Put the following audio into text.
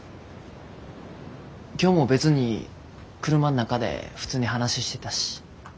今日も別に車ん中で普通に話してたし。